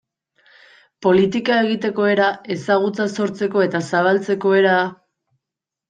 Politika egiteko era, ezagutza sortzeko eta zabaltzeko era...